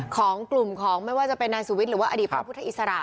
ของกลุ่มของไม่ว่าจะเป็นนายสุวิทย์หรือว่าอดีตพระพุทธอิสระ